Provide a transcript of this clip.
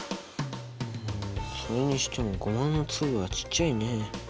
それにしてもゴマの粒はちっちゃいね。